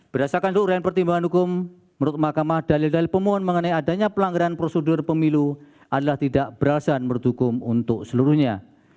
berdasarkan ukuran pertimbangan hukum menurut mahkamah dalil dalil pemohon mengenai adanya pelanggaran prosedur pemilu adalah tidak berasa menurut hukum untuk seluruhnya